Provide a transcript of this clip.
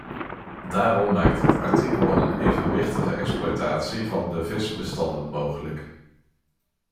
Daarom maakt dit artikel een evenwichtige exploitatie van de visbestanden mogelijk.